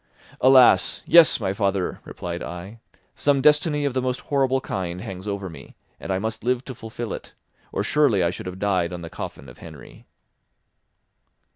"Alas! Yes, my father," replied I; "some destiny of the most horrible kind hangs over me, and I must live to fulfil it, or surely I should have died on the coffin of Henry."